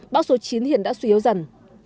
bão số chín hiện đã suy yếu dần